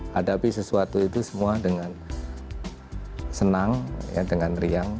hadapi sesuatu itu semua dengan senang dengan riang